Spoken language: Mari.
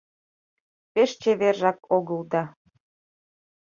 Пеш чевержак огыл да...